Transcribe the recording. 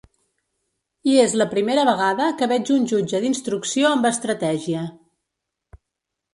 I és la primera vegada que veig un jutge d’instrucció amb estratègia.